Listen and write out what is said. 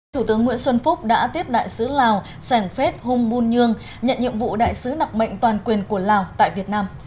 thủ tướng nguyễn xuân phúc đã tiếp đại sứ lào sàng phết hùng buôn nhương nhận nhiệm vụ đại sứ nặng mệnh toàn quyền của lào tại việt nam